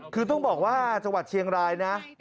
คือต้องบอกว่าจังหวัดเชียงรายนะ